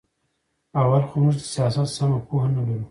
اول خو موږ د سیاست سمه پوهه نه لرو.